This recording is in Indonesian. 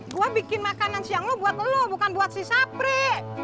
gue bikin makanan siang lo buat lo bukan buat si sapre